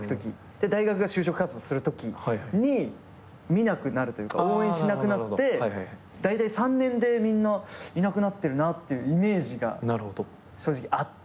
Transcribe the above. で大学が就職活動するときに見なくなるというか応援しなくなってだいたい３年でみんないなくなってるなっていうイメージが正直あって。